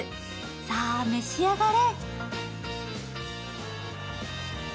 さあ、召し上がれ。